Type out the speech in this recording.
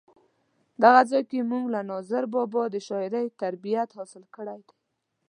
دغه ځای کې مونږ له ناظر بابا د شاعرۍ تربیت حاصل کړی دی.